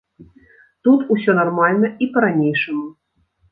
Тут усё нармальна і па-ранейшаму.